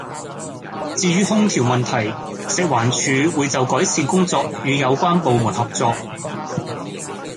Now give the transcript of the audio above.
至於空調問題，食環署會就改善工作與有關部門合作